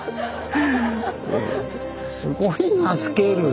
すごいなスケールが。